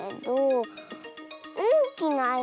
おおきな